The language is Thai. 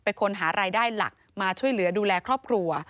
เป็นคนหารายได้หลักมาช่วยเหลือดูแลครอบครัว